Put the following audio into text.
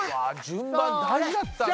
順番大事だったんだ。